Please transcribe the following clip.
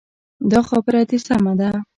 دا خبره دې سمه ده.